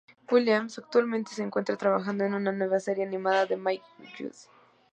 Williams actualmente se encuentra trabajando en una nueva serie animada de Mike Judge.